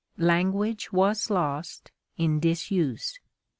Language was lost in disuse.